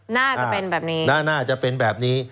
น่าจะเป็นแบบนี้น่าจะเป็นแบบนี้